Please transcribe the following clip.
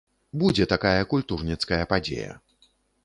Будзе такая культурніцкая падзея.